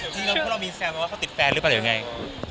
นี่พวกเรามีแซมว่าเขาติดแฟนหรือเปล่าหรือไง